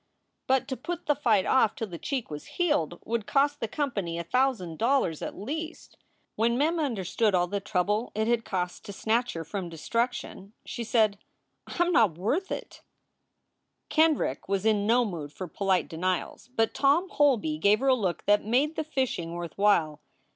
But to put the fight off till the cheek was healed would cost the company a thousand dollars at least. When Mem understood all the trouble it had cost to snatch her from destruction, she said: "I m not worth it." SOULS FOR SALE 311 Kendrick was in no mood for polite denials, but Tom Holby gave her a look that made the fishing worth while.